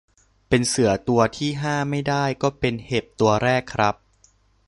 เป็นเสือตัวที่ห้าไม่ได้ ก็เป็นเห็บตัวแรกครับ